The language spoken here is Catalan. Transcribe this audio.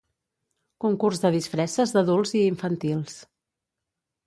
Concurs de disfresses d'adults i infantils.